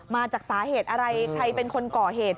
มาจากสาเหตุอะไรใครเป็นคนก่อเหตุ